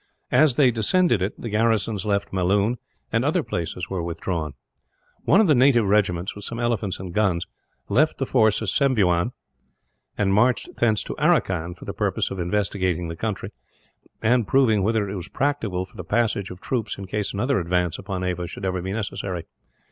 As they descended it, the garrisons left at Melloon and other places were withdrawn. One of the native regiments, with some elephants and guns, left the force at Sembeughewn; and marched thence to Aracan, for the purpose of investigating the country, and proving whether it was practicable for the passage of troops in case another advance upon Ava should ever be necessary.